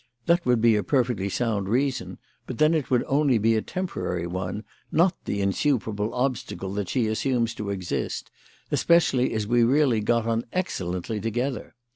That would be a perfectly sound reason, but then it would only be a temporary one, not the insuperable obstacle that she assumes to exist, especially as we really got on excellently together.